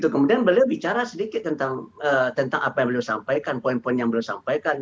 kemudian beliau bicara sedikit tentang apa yang beliau sampaikan poin poin yang beliau sampaikan